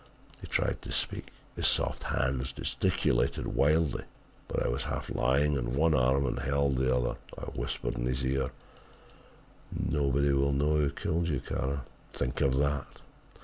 "He tried to speak. His soft hands gesticulated wildly, but I was half lying on one arm and held the other. "I whispered in his ear: "'Nobody will know who killed you, Kara, think of that!